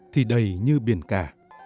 thì đầy như biển cả